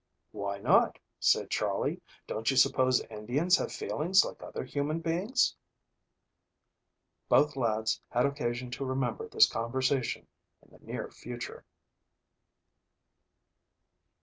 "Why not?" said Charley. "Don't you suppose Indians have feelings like other human beings?" Both lads had occasion to remember this conversation in the near future.